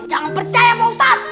jangan percaya paustat